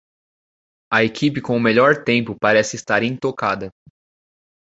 A equipe com o melhor tempo parece estar intocada.